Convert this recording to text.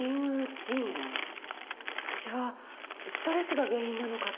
私はストレスが原因なのかと。